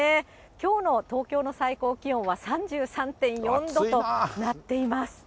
きょうの東京の最高気温は３３．４度となっています。